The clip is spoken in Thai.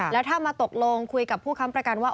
แล้วถ้ามาตกลงคุยกับผู้ค้ำประกันว่า